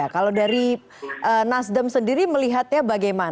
kalau dari nasdem sendiri melihatnya bagaimana